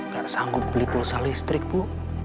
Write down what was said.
gak sanggup beli pulsa listrik bu